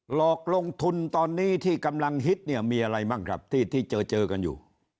หลอกลงทุนตอนนี้ที่กำลังฮิตเนี่ยมีอะไรบ้างครับที่เจอเจอกันอยู่